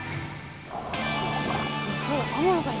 そう天野さん